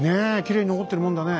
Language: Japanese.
きれいに残ってるもんだね。